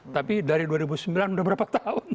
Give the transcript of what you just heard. tapi dari dua ribu sembilan udah berapa tahun